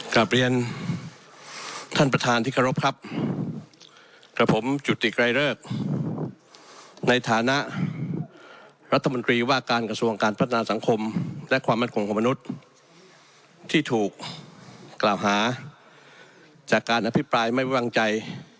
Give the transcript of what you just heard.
กลับเรียนท่านประธานที่เคารพครับกับผมจุติไกรเลิกในฐานะรัฐมนตรีว่าการกระทรวงการพัฒนาสังคมและความมั่นคงของมนุษย์ที่ถูกกล่าวหาจากการอภิปรายไม่ไว้วางใจ